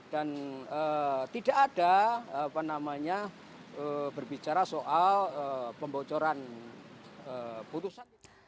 dan tidak ada berbicara soal pembocoran putusan